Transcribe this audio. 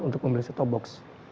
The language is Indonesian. untuk membeli set top box